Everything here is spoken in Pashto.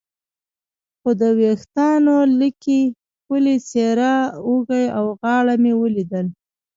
خو د وریښتانو لیکې، ښکلې څېره، اوږې او غاړه مې ولیدل.